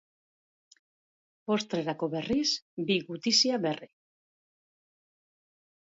Postrerako berriz, bi gutizia berri.